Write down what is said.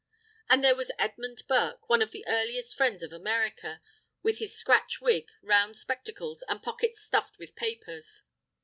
And there was Edmund Burke, "one of the earliest friends of America," with his scratch wig, round spectacles, and pockets stuffed with papers.